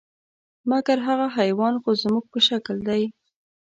مګر هغه حیوان خو زموږ په شکل دی .